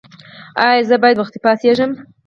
ایا زه باید وختي پاڅیږم؟